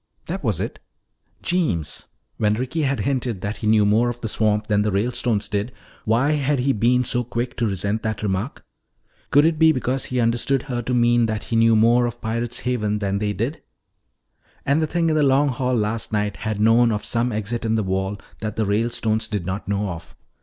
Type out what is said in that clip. That was it. Jeems! When Ricky had hinted that he knew more of the swamp than the Ralestones did, why had he been so quick to resent that remark? Could it be because he understood her to mean that he knew more of Pirate's Haven than they did? And the thing in the Long Hall last night had known of some exit in the wall that the Ralestones did not know of.